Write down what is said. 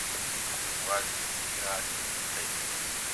Tuɣal Guli ɣer yimeṭṭi-s.